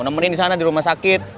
nemenin di sana di rumah sakit